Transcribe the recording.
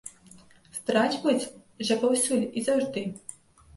Здраджваюць жа паўсюль і заўжды.